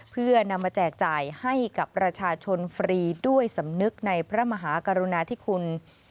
เพื่อนำมาแจกจ่ายให้กับประชาชนฟรีด้วยสำนึกในพระมหากรุณาธิคุณ